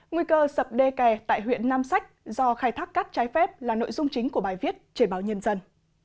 nguy cơ sập đê kè tại huyện nam sách do khai thác cát trái phép là nội dung chính của bài viết trên báo nhân dân